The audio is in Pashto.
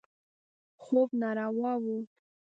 خوب ناروا و.